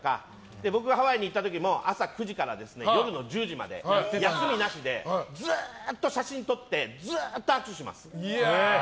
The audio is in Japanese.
僕がハワイに行った時も朝９時から夜の１０時まで休みなしで、ずっと写真撮ってずっと握手します。